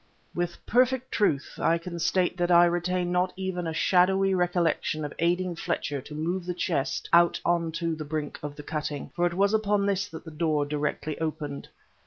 With perfect truth I can state that I retain not even a shadowy recollection of aiding Fletcher to move the chest out on to the brink of the cutting for it was upon this that the door directly opened.